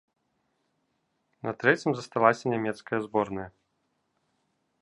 На трэцім засталася нямецкая зборная.